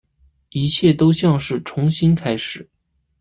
一切都像是重新开始